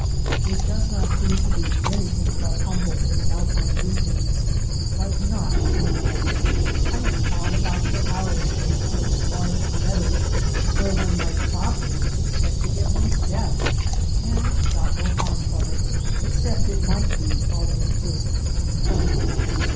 It does not do to be anything but humble in the alpine regions, but not fearful. I have pawed about for hours in the chill sward of meadows where one might properly ex pect to get one's death, and got no harm from it, except it might be Oliver Twist's complaint.